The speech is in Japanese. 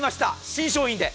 新商品で。